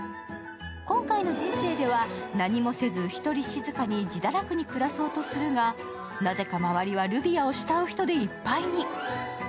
今回の人生では、何もせず一人静かに自堕落に暮らそうとするがなぜか周りはルビアを慕う人でいっぱいに。